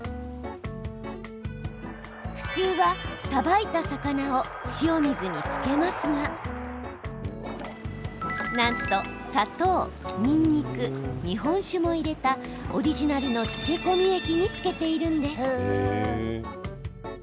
普通は、さばいた魚を塩水に漬けますがなんと砂糖、にんにく日本酒も入れたオリジナルの漬け込み液に漬けているんです。